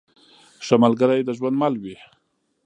ښه ملګری د ژوند مل وي.